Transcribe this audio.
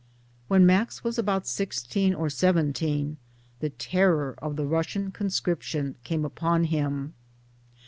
When Max was about sixteen or seventeen the terror of the Russian conscription came upon him.